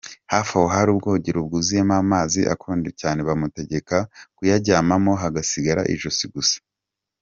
Hafi aho hari ubwogero bwuzuyemo amazi akonje cyane, bamutegeka kuyajyamamo hagasigara ijosi gusa.